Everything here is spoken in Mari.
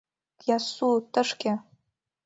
— Кьяссу, тышке!